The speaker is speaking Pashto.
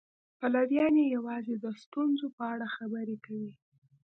پلویان یې یوازې د ستونزو په اړه خبرې کوي.